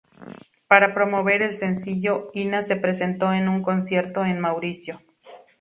Para promover el sencillo, Inna se presentó en un concierto en Mauricio.